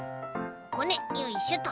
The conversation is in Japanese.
ここねよいしょっと。